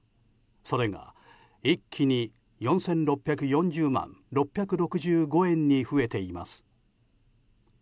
それが一気に４６４０万６６５円に増えています。